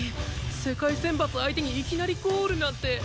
世界選抜を相手にいきなりゴールなんて！